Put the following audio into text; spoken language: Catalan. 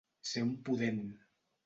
Ser un pudent.